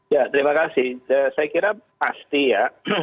ya terima kasih saya kira pasti ya